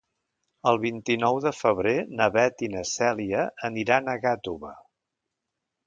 El vint-i-nou de febrer na Beth i na Cèlia aniran a Gàtova.